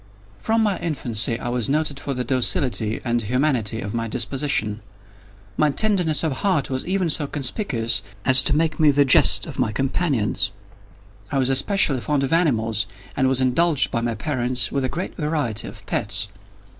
From my infancy I was noted for the docility and humanity of my disposition. My tenderness of heart was even so conspicuous as to make me the jest of my companions. I was especially fond of animals, and was indulged by my parents with a great variety of pets.